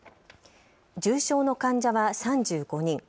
重症の患者は３５人。